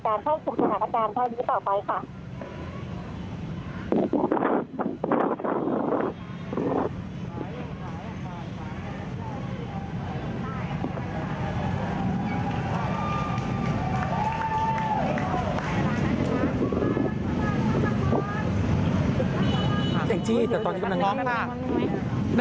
ได้ประมาณนี้แหละ